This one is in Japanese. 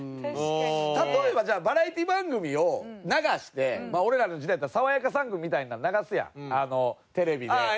例えばじゃあバラエティー番組を流してまあ俺らの時代やったら『さわやか３組』みたいなん流すやんテレビで。